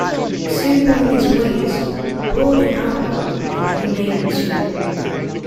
Simple in his ways, broad in outlook, and humane in spirit.